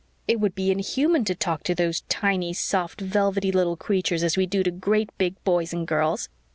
It would be inhuman to talk to those tiny, soft, velvety little creatures as we do to great big boys and girls.